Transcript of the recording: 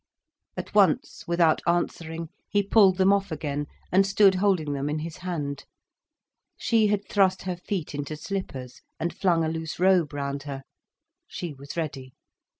At once, without answering, he pulled them off again, and stood holding them in his hand. She had thrust her feet into slippers, and flung a loose robe round her. She was ready.